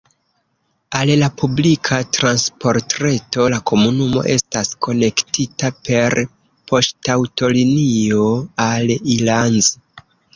Al la publika transportreto la komunumo estas konektita per poŝtaŭtolinio al Ilanz.